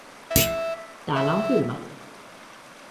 Täällä on kylmä